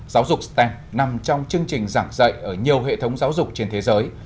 giáo dục stem nằm trong chương trình giảng dạy ở nhiều hệ thống giáo dục trên thế giới